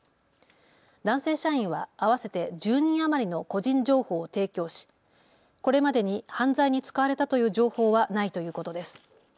男性社員は合わせて１０人余りの個人情報を提供し、これまでに犯罪に使われたという情報はないということです。